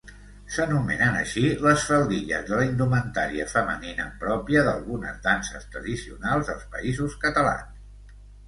S'anomenen així les faldilles de la indumentària femenina pròpia d'algunes danses tradicionals als Països Catalans.